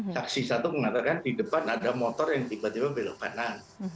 saksi satu mengatakan di depan ada motor yang tiba tiba belok kanan